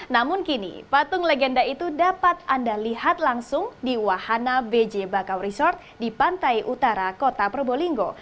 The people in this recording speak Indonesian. namun kini patung legenda itu dapat anda lihat langsung di wahana bj bakau resort di pantai utara kota probolinggo